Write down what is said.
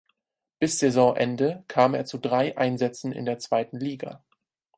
Bis Saisonende kam er zu drei Einsätzen in der zweiten Liga.